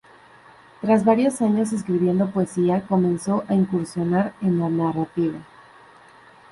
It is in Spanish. Tras varios años escribiendo poesía comenzó a incursionar en la narrativa.